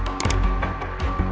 papa tahu aku dong